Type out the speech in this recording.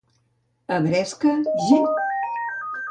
A Bresca, gent de l'esca.